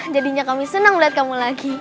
jadinya kami senang melihat kamu lagi